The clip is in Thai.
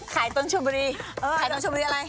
ขายต้นชุบบุรีขายต้นชุบบุรีอะไร